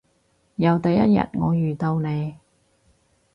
由第一日我遇到你